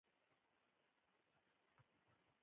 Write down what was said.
زه غواړم خپل په ژوند کی پرمختګ وکړم